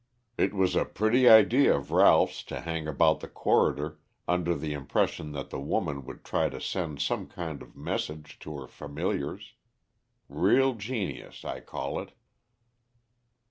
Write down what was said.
It was a pretty idea of Ralph's to hang about the corridor under the impression that the woman would try to send some kind of message to her familiars. Real genius, I call it."